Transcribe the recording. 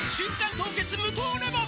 凍結無糖レモン」